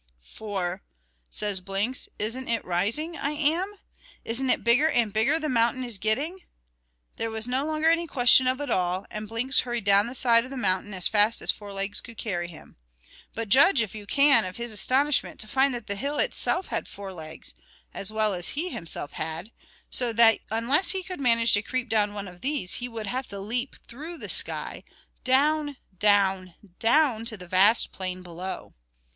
"For," says Blinks, "isn't it rising I am? Isn't it bigger and bigger the mountain is getting?" There was no longer any question of it at all; and Blinks hurried down the side of the mountain as fast as four legs could carry him; but judge, if you can, of his astonishment to find that the hill itself had four legs, as well as he himself had; so that unless he could manage to creep down one of these, he would have to leap through the sky, down down down to the vast plain below.